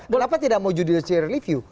kenapa tidak mau judicial review